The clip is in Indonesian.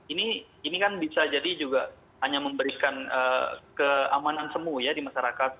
ini kan bisa jadi juga hanya memberikan keamanan semua ya di masyarakat